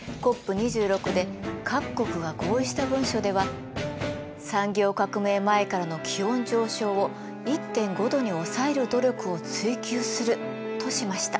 ２６で各国が合意した文書では「産業革命前からの気温上昇を１．５℃に抑える努力を追求する」としました。